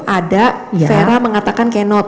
ada vera mengatakan cannot